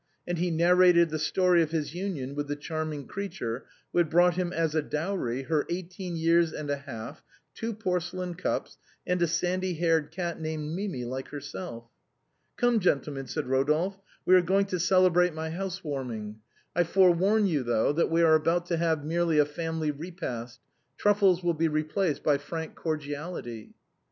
And he narrated the story of his union with the charming creature who had brought him as a dowry her eighteen years and a half, two porcelain cups, and a sandy haired cat named Mimi, like herself. " Come, gentlemen," said Rodolphe, " we are going to celebrate my house warming. I forewarn you, though, that we are about to have merely a family repast; truffles will 1(6 replaced by frank cordiality."